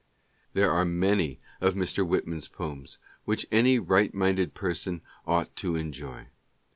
... There are many of Mr. Whitman's poems which any right minded person ought to enjoy.